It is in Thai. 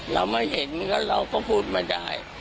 เราไม่เห็นเราก็พูดไม่ได้